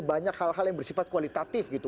banyak hal hal yang bersifat kualitatif gitu